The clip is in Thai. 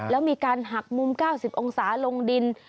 แล้วมีการหักมุม๙๐องศาลงดิน